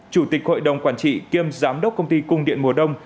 chủ tịch hội đồng quản trị kiêm giám đốc công ty cung điện mùa đông